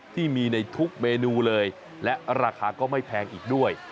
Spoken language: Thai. ที่มีในทุกเมนูเลยและราคาก็ไม่แพงอีกด้วย